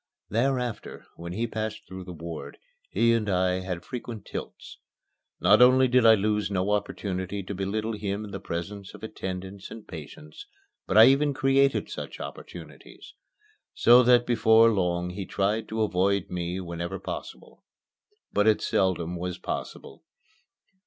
Thereafter, when he passed through the ward, he and I had frequent tilts. Not only did I lose no opportunity to belittle him in the presence of attendants and patients, but I even created such opportunities; so that before long he tried to avoid me whenever possible. But it seldom was possible.